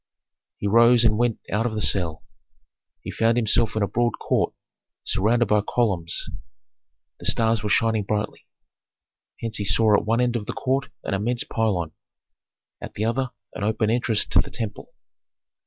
He rose and went out of the cell. He found himself in a broad court surrounded by columns. The stars were shining brightly; hence he saw at one end of the court an immense pylon, at the other an open entrance to the temple.